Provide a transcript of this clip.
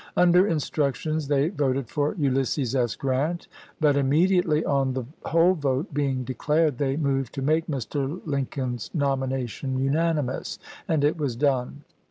Under instructions they voted for Ulysses S. Grant ; but immediately, on the whole vote being "New York dcclarcd, they moved to make Mr. Lincoln's nom ju^eMsk ination unanimous; and it was done.